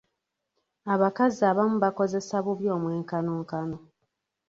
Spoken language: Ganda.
Abakazi abamu bakozesa bubi omwenkanonkano.